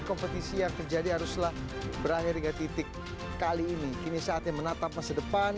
kompetisi yang terjadi haruslah berakhir dengan titik kali ini kini saatnya menatap masa depan